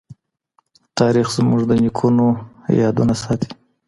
تاريخ زموږ د نيکونو يادونه ساتي.